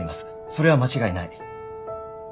それは間違いない。